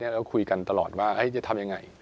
เราคุยกันตลอดว่าจะทำยังไง